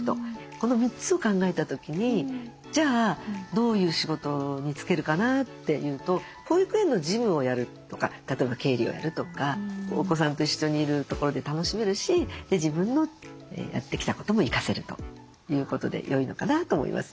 この３つを考えた時にじゃあどういう仕事に就けるかなっていうと保育園の事務をやるとか例えば経理をやるとかお子さんと一緒にいるところで楽しめるし自分のやってきたことも生かせるということでよいのかなと思いますね。